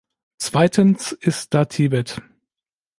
Zweitens ist da Tibet.